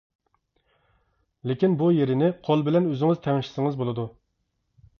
لېكىن بۇ يېرىنى قول بىلەن ئۆزىڭىز تەڭشىسىڭىزمۇ بولىدۇ.